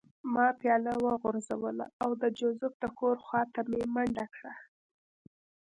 ما پیاله وغورځوله او د جوزف د کور خوا ته مې منډه کړه